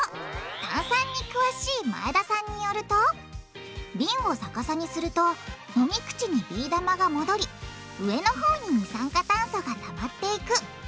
炭酸に詳しい前田さんによると瓶を逆さにすると飲み口にビー玉が戻り上のほうに二酸化炭素がたまっていく。